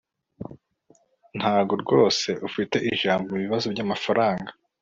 ntabwo rwose ufite ijambo mubibazo byamafaranga